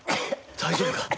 大丈夫か？